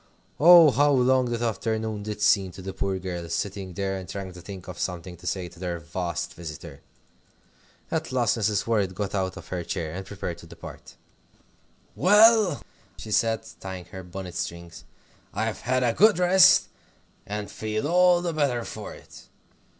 Oh, how long that afternoon did seem to the poor girls, sitting there and trying to think of something to say to their vast visitor! At last Mrs. Worrett got out of her chair, and prepared to depart. "Well," she said, tying her bonnet strings, "I've had a good rest, and feel all the better for it.